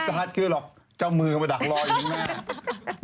ไม่ได้คาดเคลื่อนหรอกเจ้ามือเขามาดักรอยอยู่หน้า